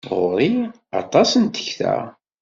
Ɣur-i aṭas n tekta.